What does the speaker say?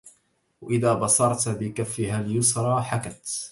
وإذا بصرت بكفها اليسرى حكت